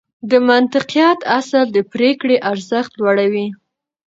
د منطقيت اصل د پرېکړې ارزښت لوړوي.